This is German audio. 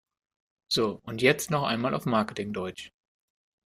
So, und jetzt noch mal auf Marketing-Deutsch!